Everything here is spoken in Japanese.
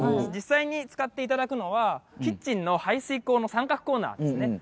実際に使っていただくのはキッチンの排水口の三角コーナーですね。